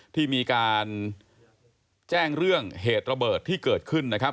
ที่มีการแจ้งเรื่องเหตุระเบิดที่เกิดขึ้นนะครับ